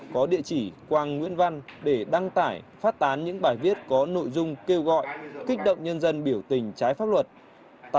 có địa chỉ quang nguyễn văn để đăng tải phát tán những bài viết có nội dung kêu gọi kích động nhân dân biểu tình trái pháp luật